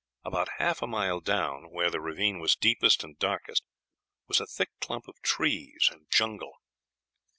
About half a mile down, where the ravine was deepest and darkest, was a thick clump of trees and jungle.